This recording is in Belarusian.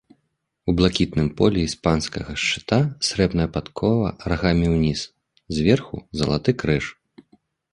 У блакітным полі іспанскага шчыта срэбная падкова рагамі ўніз, зверху залаты крыж.